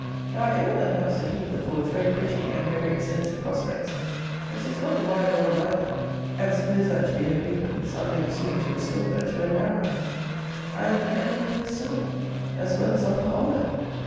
Now I own that Hampstead heath affords very pretty and very extensive prospects; but 'tis not the wide world neither. And suppose that to be her grievance, I hope soon to restore her to a narrower. I am the enemy of her soul, as well as of her honour!